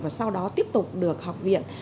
và sau đó tiếp tục được học viện